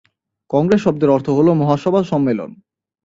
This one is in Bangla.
কংগ্রেস শব্দের অর্থ "মহাসভা, সম্মেলন"।